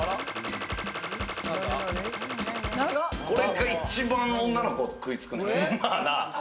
これが一番女の子、食いつくねん。